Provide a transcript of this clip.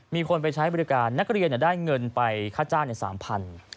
มีคนไปใช้บริการนักเรียนได้เงินไปค่าจ้างใน๓๐๐บาท